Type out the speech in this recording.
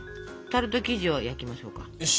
タルト生地を焼きましょうか。